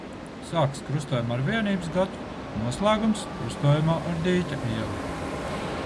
Sākas krustojumā ar Vienības gatvi, noslēgums – krustojumā ar Dīķa ielu.